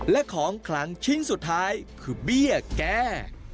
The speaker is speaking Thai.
และของขลังชิ้นสุดท้ายคือเบี้ยแก้